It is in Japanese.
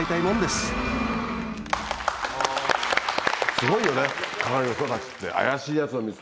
すごいよねああいう人たちって。